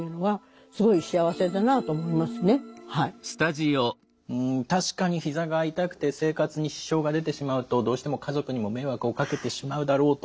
自分が確かにひざが痛くて生活に支障が出てしまうとどうしても家族にも迷惑をかけてしまうだろうと。